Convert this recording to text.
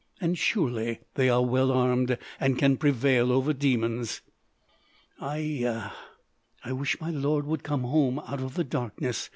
And surely they are well armed, and can prevail over demons. Aie a! I wish my lord would come home out of the darkness.... Mr.